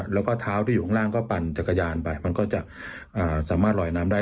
แล้วก็เท้าที่อยู่ข้างล่างก็ปั่นจักรยานไปมันก็จะสามารถลอยน้ำได้